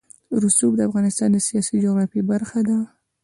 رسوب د افغانستان د سیاسي جغرافیه برخه ده.